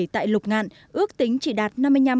tại lục ngạn ước tính chỉ đạt